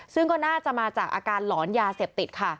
ซึ่งก็น่าจะมาจากอาการหลอนยาเสพติดค่ะ